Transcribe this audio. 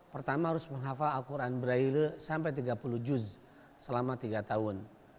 pertama harus menghafal al quran braille sampai tiga puluh juz selama tiga tahun